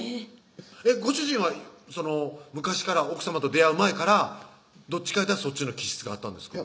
ご主人は昔から奥様と出会う前からどっちかいうたらそっちの気質があったんですか？